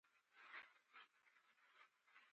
الوتکه د فرهنګي تبادلو لاره ده.